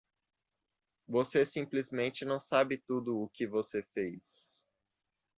Você simplesmente não sabe tudo o que você fez.